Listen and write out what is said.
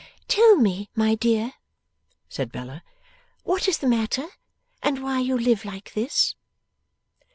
'Tell me, my dear,' said Bella, 'what is the matter, and why you live like this.